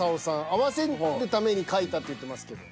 合わせるために書いたって言ってますけど。